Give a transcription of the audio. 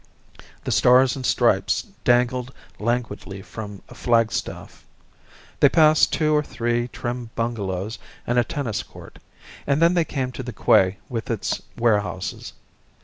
The Stars and Stripes dangled languidly from a flagstaff. They passed two or three trim bungalows, and a tennis court, and then they came to the quay with its warehouses.